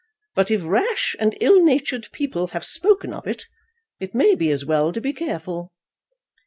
But if rash and ill natured people have spoken of it, it may be as well to be careful."